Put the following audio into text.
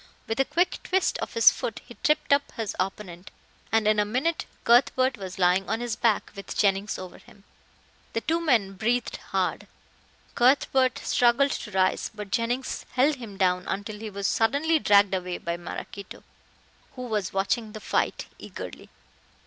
With a quick twist of his foot he tripped up his opponent, and in a minute Cuthbert was lying on his back with Jennings over him. The two men breathed hard. Cuthbert struggled to rise, but Jennings held him down until he was suddenly dragged away by Maraquito, who was watching the fight eagerly.